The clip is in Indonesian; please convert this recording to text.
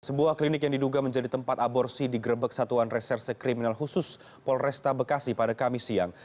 sebuah klinik yang diduga menjadi tempat aborsi digerebek satuan reserse kriminal khusus polresta bekasi pada kamis siang